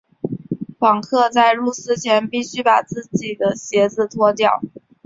访客在入寺前必须把自己的鞋子脱掉。